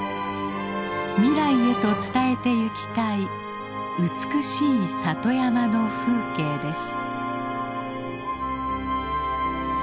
未来へと伝えてゆきたい美しい里山の風景です。